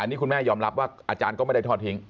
นี่คุณแม่ยอมรับว่าอาจารย์ก็ไม่ได้ทอดทิ้ง